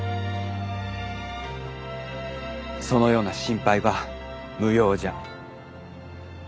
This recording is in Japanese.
そのような心配は無用じゃ。